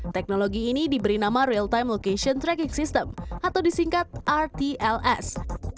teknologi ini diberi nama real time location tracking system atau disingkat rtls